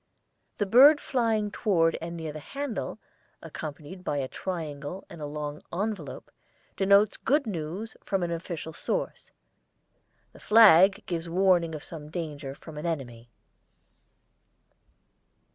The bird flying towards and near the handle, accompanied by a triangle and a long envelope, denotes good news from an official source. The flag gives warning of some danger from an enemy.